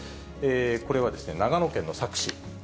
これはですね、長野県の佐久市。